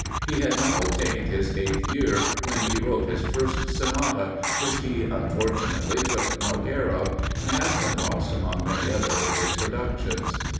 He had now attained his eighth year, when he wrote his first sonata, which he unfortunately took no care of, and has been lost among many other of his productions.